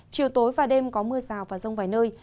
chiều tối và đêm có mưa rào và rông vài nơi